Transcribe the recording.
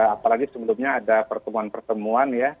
apalagi sebelumnya ada pertemuan pertemuan ya